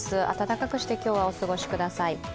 暖かくして、今日はお過ごしください。